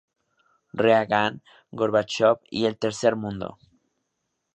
Reagan, Gorbachov y el Tercer Mundo.